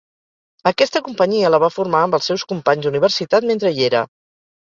Aquesta companyia la va formar amb els seus companys d'Universitat mentre hi era.